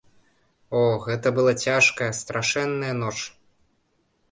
О, гэта была цяжкая, страшэнная ноч.